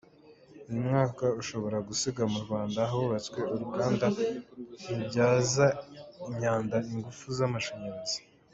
Uyu mwaka ushobora gusiga mu Rwanda hubatswe uruganda rubyaza imyanda ingufu z’amashanyarazi.